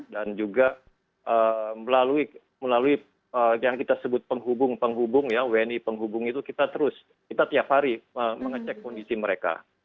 dan juga melalui yang kita sebut penghubung penghubung ya wni penghubung itu kita terus kita tiap hari mengecek kondisi mereka